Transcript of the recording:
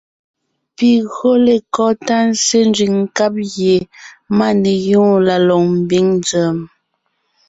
Pi gÿǒ lekɔ́ tá nzsé nzẅìŋ nkáb gie máneyoon la lɔg mbiŋ nzèm?